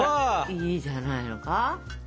いいじゃないのか？